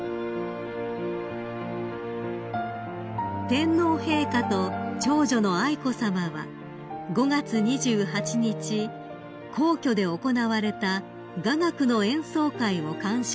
［天皇陛下と長女の愛子さまは５月２８日皇居で行われた雅楽の演奏会を鑑賞されました］